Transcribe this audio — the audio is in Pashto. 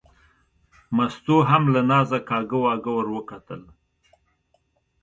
مستو هم له نازه کاږه واږه ور وکتل.